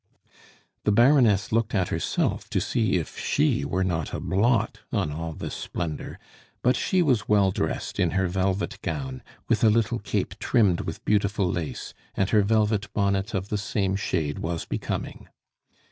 The Baroness looked at herself to see if she were not a blot on all this splendor; but she was well dressed in her velvet gown, with a little cape trimmed with beautiful lace, and her velvet bonnet of the same shade was becoming.